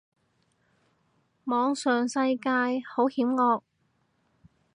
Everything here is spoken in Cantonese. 網上世界好險惡